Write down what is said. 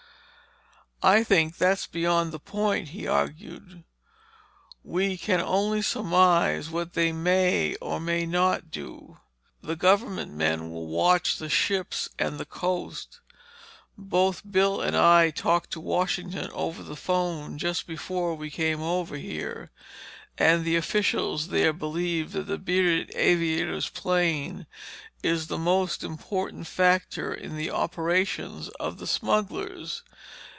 "I think that's beyond the point," he argued. "We can only surmise what they may or may not do. The government men will watch the ships and the coast. Both Bill and I talked to Washington over the phone just before we came over here. And the officials there believe that the bearded aviator's plane is a most important factor in the operations of the smugglers.